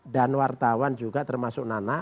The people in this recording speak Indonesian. dan wartawan juga termasuk nana